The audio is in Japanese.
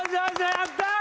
やったー！